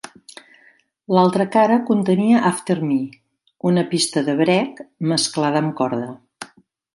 L'altra cara contenia "After Me", una pista de break mesclada amb corda.